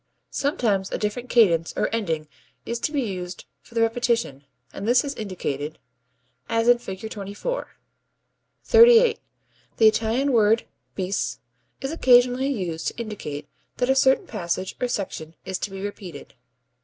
Sometimes a different cadence (or ending) is to be used for the repetition, and this is indicated as in Fig. 24. [Illustration: Fig. 24.] 38. The Italian word bis is occasionally used to indicate that a certain passage or section is to be repeated.